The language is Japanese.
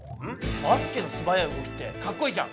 バスケのすばやい動きってかっこいいじゃん！